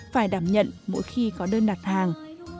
phải đảm nhận mỗi khi có đơn đặt hàng